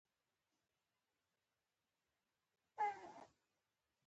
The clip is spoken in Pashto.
او له هر څه نه لذت وړي.